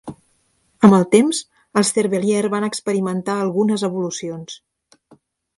Amb el temps, els Cervelliere van experimentar algunes evolucions.